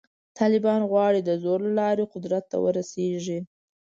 طالبان غواړي د زور له لارې قدرت ته ورسېږي.